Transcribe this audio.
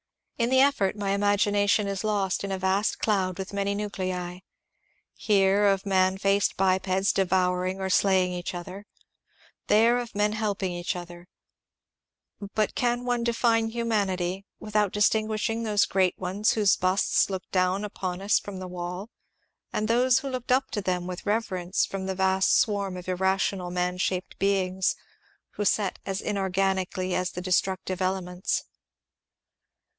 In the effort my imagination is lost in a vast cloud with many nuclei, — here, of man faced bipeds devouring or slaying each other, there, of men helping each other, — but can one define humanity without distin guishing those great ones whose busts looked down upon pa 382 MONCURE DANIEL CONWAY from the wall, and those who look np to them with reyeienoe, from the vast swarm of irrational man shaped beings who act as inorganically as the destmctive elements